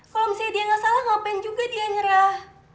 kalau dia gak salah ngapain juga dia nyerah